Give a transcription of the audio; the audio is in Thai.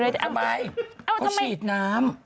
ทำไมเขาฉีดน้ำ